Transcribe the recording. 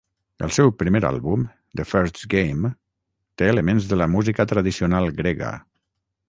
El seu primer àlbum, "The first game", té elements de la música tradicional grega.